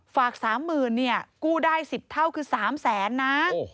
ฝาก๓๐๐๐๐กูได้๑๐เท่าคือ๓๐๐๐๐๐นะ